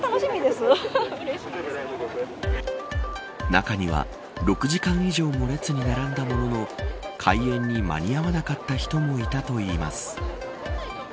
中には６時間以上も列に並んだものの開演に間に合わなかった人もいたといいます。